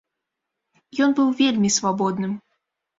Ён быў вельмі свабодным.